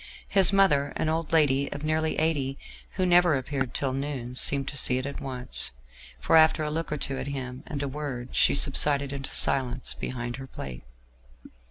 His mother, an old lady of nearly eighty, who never appeared till noon, seemed to see it at once, for after a look or two at him and a word, she subsided into silence behind her plate.